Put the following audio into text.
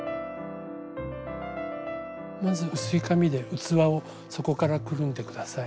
まず薄い紙で器を底からくるんで下さい。